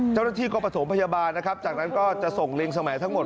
เจ้าหน้าที่ก็ประถมพยาบาลนะครับจากนั้นก็จะส่งลิงสมัยทั้งหมด